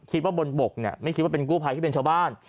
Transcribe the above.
คิดว่าบนบกไม่คิดว่าเป็นกู้ภัยคิดว่าเป็นชาวบ้าน